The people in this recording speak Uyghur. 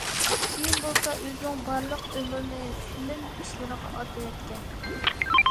كېيىن بولسا ئۆزىنىڭ بارلىق ئۆمرىنى فىلىم ئىشلىرىغا ئاتىۋەتكەن.